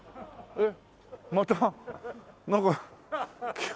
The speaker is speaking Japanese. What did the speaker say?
えっ？